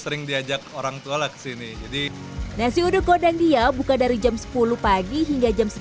sering diajak orang tua lagi sini jadi nasi uduk kodang dia buka dari sepuluh pagi hingga